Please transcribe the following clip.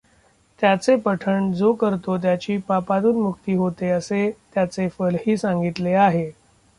त्याचे पठन जो करतो त्याची पापातून मुक्ती होते असे त्याचे फलही सांगितले आहे.